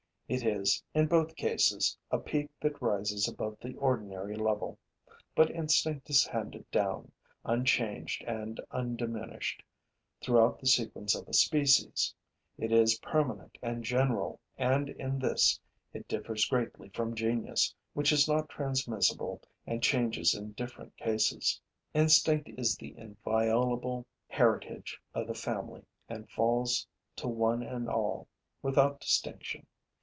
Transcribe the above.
It is, in both cases, a peak that rises above the ordinary level. But instinct is handed down, unchanged and undiminished, throughout the sequence of a species; it is permanent and general and in this it differs greatly from genius, which is not transmissible and changes in different cases. Instinct is the inviolable heritage of the family and falls to one and all, without distinction.